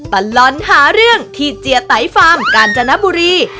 ตลอดหาเรื่องที่เจียไตฟาร์มกาญจนบุรี